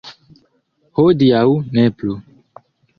Hodiaŭ ne plu.